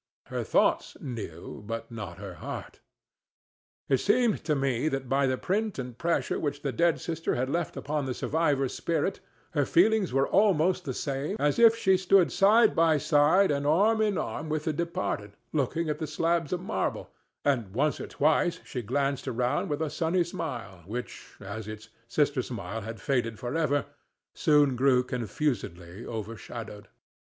Her thoughts knew, but not her heart. It seemed to me that by the print and pressure which the dead sister had left upon the survivor's spirit her feelings were almost the same as if she still stood side by side and arm in arm with the departed, looking at the slabs of marble, and once or twice she glanced around with a sunny smile, which, as its sister smile had faded for ever, soon grew confusedly overshadowed.